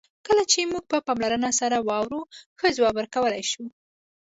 کله چې موږ په پاملرنه سره واورو، ښه ځواب ورکولای شو.